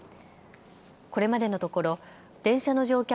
これまでのところ電車の乗客